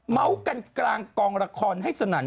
กันกลางกองละครให้สนั่น